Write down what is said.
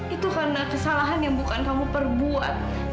itu karena kesalahan yang bukan kamu perbuat